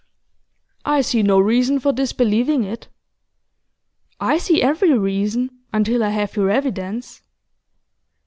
'I see no reason for disbelieving it.' 'I see every reason, until I have your evidence.